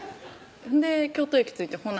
ほんで京都駅着いて「ほな」